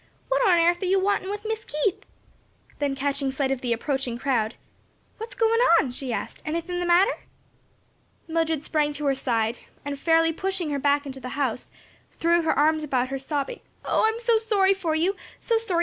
"What on airth are you a wantin' with Miss Keith?" then catching sight of the approaching crowd, "What's goin' on?" she asked, "anything the matter?" Mildred sprang to her side, and fairly pushing her back into the house, threw her arms about her sobbing, "Oh, I'm so sorry for you! so sorry!